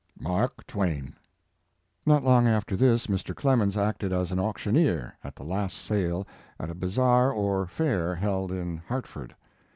"MARK TWAIN." Not long after this, Mr. Clemens acted as auctioneer at the last sale at a bazaar or fair held in Hartford.